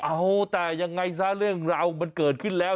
เอาแต่ยังไงซะเรื่องราวมันเกิดขึ้นแล้ว